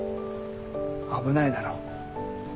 危ないだろ。